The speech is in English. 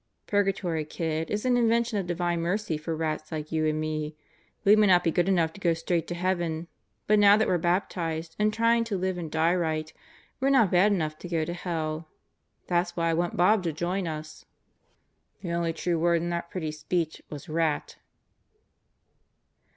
"Purgatory, kid, is an invention of Divine Mercy for rats like you and me. We may not be good enough to go straight to heaven, but now that we're baptized and trying to live and die Satan in the Cell Block 88 right, we're not bad enough to go to hell. That's why I want Bob to join us." "The only true word in that pretty speech was 'rat.'